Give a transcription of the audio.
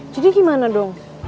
jadi gimana dong